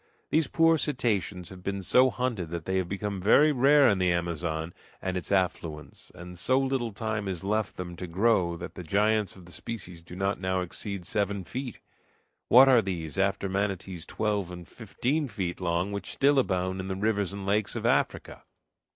These poor cetaceans have been so hunted that they have become very rare in the Amazon and its affluents, and so little time is left them to grow that the giants of the species do not now exceed seven feet. What are these, after manatees twelve and fifteen feet long, which still abound in the rivers and lakes of Africa?